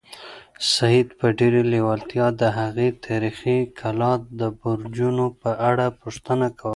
سعید په ډېرې لېوالتیا د هغې تاریخي کلا د برجونو په اړه پوښتنه کوله.